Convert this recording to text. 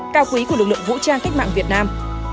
cao quý của lực lượng vũ trang cách mạng việt nam